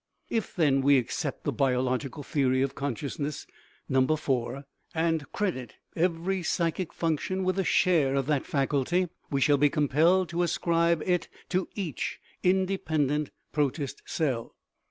If, then, we accept the biological theory of consciousness (No. IV.), and credit every psychic function with a share of that faculty, we shall be compelled to ascribe it to each independent pro tist cell.